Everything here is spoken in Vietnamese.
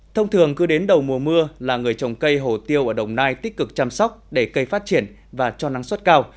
thông thường cứ đến đầu mùa mưa là người trồng cây hồ tiêu ở đồng nai tích cực chăm sóc để cây phát triển và cho năng suất cao